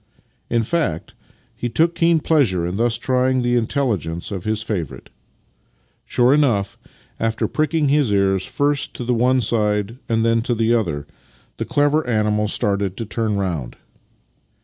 In fact, he took keen pleasure in thus trying the intelligence of his favourite. Sure enough, after pricking his ears first to the one side and then to the other, the clever animal started to turn round.